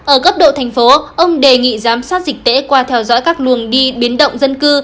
ở cấp độ thành phố ông đề nghị giám sát dịch tễ qua theo dõi các luồng đi biến động dân cư